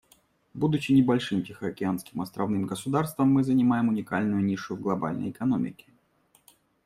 Будучи небольшим тихоокеанским островным государством, мы занимаем уникальную нишу в глобальной экономике.